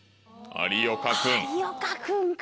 有岡君か。